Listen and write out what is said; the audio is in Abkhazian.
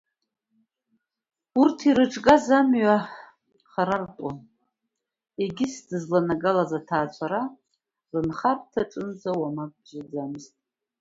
Урҭ ирыҿгаз амҩа харартәуан, егьыс дызланагалаз аҭаацәара рынхарҭаҿынӡа уамак бжьаӡамызт.